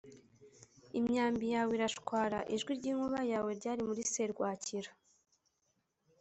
imyambi yawe irashwara. ijwi ry’inkuba yawe ryari muri serwakira